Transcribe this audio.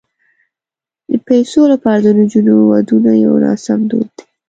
د پيسو لپاره د نجونو ودونه یو ناسم دود دی.